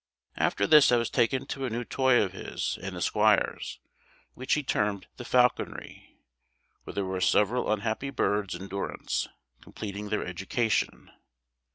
After this I was taken to a new toy of his and the squire's, which he termed the falconry, where there were several unhappy birds in durance, completing their education.